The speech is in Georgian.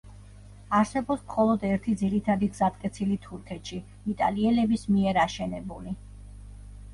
არსებობს მხოლოდ ერთი ძირითადი გზატკეცილი თურქეთში, იტალიელების მიერ აშენებული.